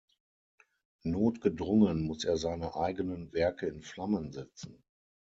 Notgedrungen muss er seine eigenen Werke in Flammen setzen.